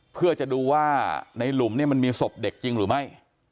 เพื่อจะดูว่าในหลุมเนี่ยมันมีศพเด็กจริงหรือไม่